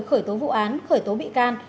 khởi tố vụ án khởi tố bị can